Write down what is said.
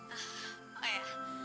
ah oh ya